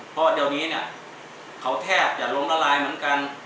เพราะเดี๋ยวนี้เนี่ยเขาแทบจะล้มละลายเหมือนกัน